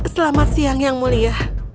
selamat siang yang mulia